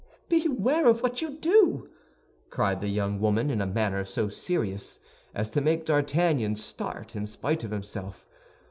"Beware of what you do!" cried the young woman, in a manner so serious as to make D'Artagnan start in spite of himself.